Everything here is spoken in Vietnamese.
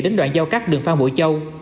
đến đoạn giao cắt đường phan bụi châu